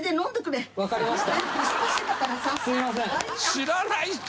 知らない人。